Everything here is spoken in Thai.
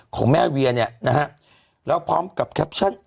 ของแม่เวียเนี่ยนะฮะแล้วพร้อมกับแคปชั่น